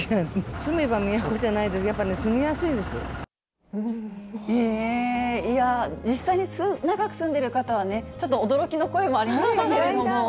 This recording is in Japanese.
住めば都じゃないですけど、いやー、実際に長く住んでいる方は、ちょっと驚きの声もありましたけれども。